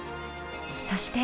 そして